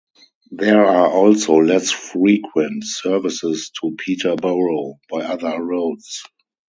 There are also less frequent services to Peterborough by other routes.